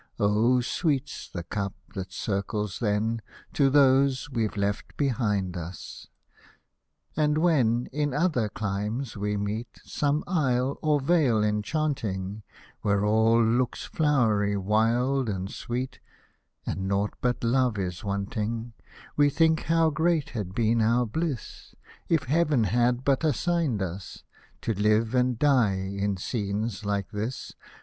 Oh, sweet's the cup that circles then To those we've left behind us. Hosted by Google FORGET NOT THE FIELD And when, in other chmes, we meet Some isle, or vale enchanting, Where all looks flowery, wild, and sweet, And nought but love is wanting ; We think how great had been our bliss, If Heaven had but assigned us To live and die in scenes like this.